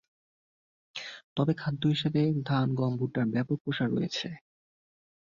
তবে খাদ্য শস্য হিসেবে ধান, গম, ভুট্টার ব্যাপক প্রসার রয়েছে।